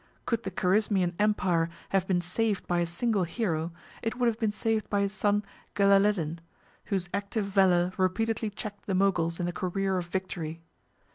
Could the Carizmian empire have been saved by a single hero, it would have been saved by his son Gelaleddin, whose active valor repeatedly checked the Moguls in the career of victory.